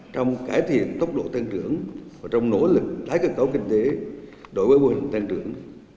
trong cải thiện tốc độ tăng trưởng và trong nỗ lực tái cơ cấu kinh tế đổi với quy mô tăng trưởng